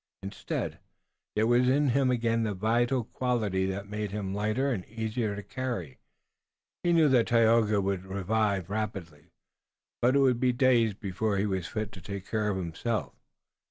Instead, there was in him again the vital quality that made him lighter and easier to carry. He knew that Tayoga would revive rapidly, but it would be days before he was fit to take care of himself.